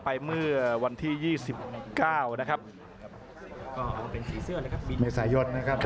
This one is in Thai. อัศวินาศาสตร์